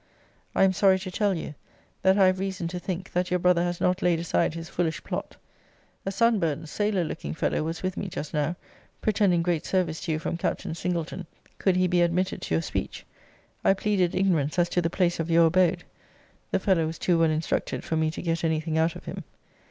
I am sorry to tell you, that I have reason to think, that your brother has not laid aside his foolish plot. A sunburnt, sailor looking fellow was with me just now, pretending great service to you from Captain Singleton, could he be admitted to your speech. I pleaded ignorance as to the place of your abode. The fellow was too well instructed for me to get any thing out of him.